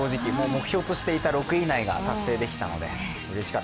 目標としていた６位以内に入れたので。